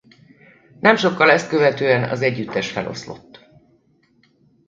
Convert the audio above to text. Nem sokkal ezt követően az együttes feloszlott.